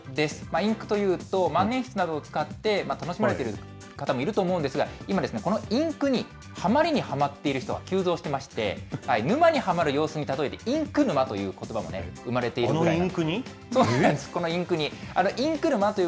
インクというと、万年筆などを使って楽しまれてる方もいると思うんですが、今、このインクにはまりにはまっているひとが急増してまして、沼にはまる様子に例えて、インク沼ということばも生まれているぐらいな